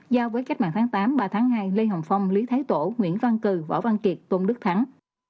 giao với cách mạng tháng tám ba tháng hai lê hồng phong lý thái tổ nguyễn văn cử võ văn kiệt tôn đức thắng